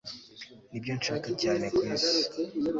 Nibyo nshaka cyane kwisi